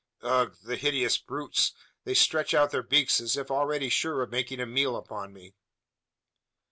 Ugh! the hideous brutes; they stretch out their beaks, as if already sure of making a meal upon me!